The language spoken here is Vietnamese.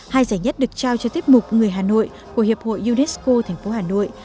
hai giải nhất được trao cho tiết mục người hà nội của hiệp hội unesco thành phố hà nội